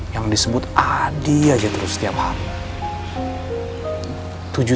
yang disebut adi aja terus setiap hari